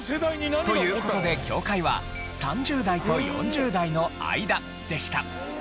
という事で境界は３０代と４０代の間でした。